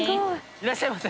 「いらっしゃいませ」